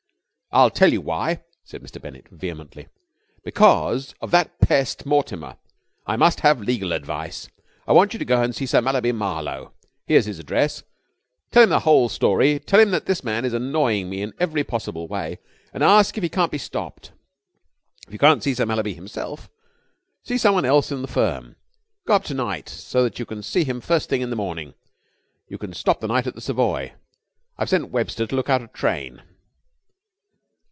"I'll tell you why," said Mr. Bennett vehemently. "Because of that pest Mortimer. I must have legal advice. I want you to go and see Sir Mallaby Marlowe. Here's his address. Tell him the whole story. Tell him that this man is annoying me in every possible way and ask if he can't be stopped. If you can't see Sir Mallaby himself, see someone else in the firm. Go up to night, so that you can see him first thing in the morning. You can stop the night at the Savoy. I've sent Webster to look out a train."